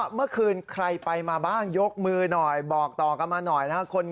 เมื่อคืนใครไปมาบ้างยกมือหน่อยบอกต่อกันมาหน่อยนะครับ